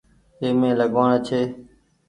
اي مين لگوآڻ ڇي۔